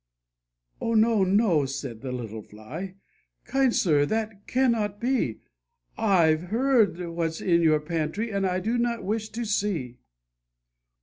' "Oh, no, no," said the little Fly, "kind sir, that cannot be, I've heard what's in your pantry, and I do not wish to see